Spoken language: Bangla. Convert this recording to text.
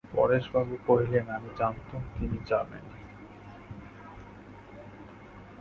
পরেশবাবু কহিলেন, আমি জানতুম যে তিনি যাবেন।